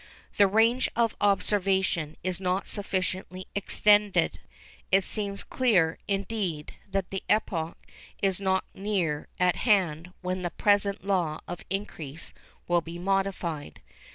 The range of observation is not sufficiently extended. It seems clear, indeed, that the epoch is not near at hand when the present law of increase will be modified.